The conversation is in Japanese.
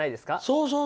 そうそう。